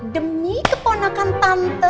demi keponakan tante